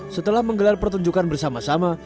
setelah menggelar pertunjukan bersama sama